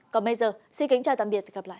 còn bây giờ xin kính chào tạm biệt và hẹn gặp lại